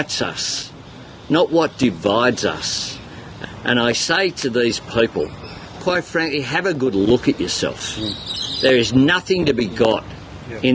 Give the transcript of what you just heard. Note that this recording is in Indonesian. semua orang di sydney memiliki hak untuk berasa aman